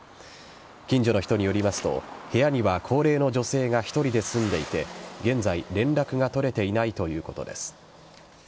近所の人によりますと部屋には高齢の女性が１人で住んでいて現在、連絡が取れていないということです。